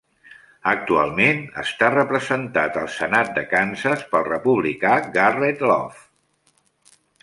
Actualment està representat al senat de Kansas pel republicà Garrett Love.